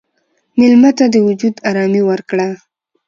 مېلمه ته د وجود ارامي ورکړه.